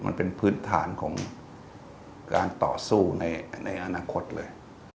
มันเป็นพื้นฐานของการต่อสู้ในอนาคตเลย